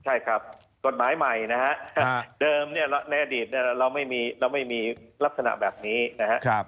ใช่ครับกฎหมายใหม่นะฮะเดิมเนี่ยในอดีตเราไม่มีลักษณะแบบนี้นะครับ